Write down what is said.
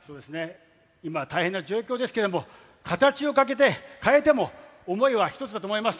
今、大変な状況ですけれども、形を変えても想いは一つだと思います。